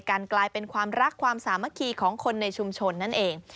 กลายเป็นความรักความสามัคคีของคนในชุมชนนั่นเอง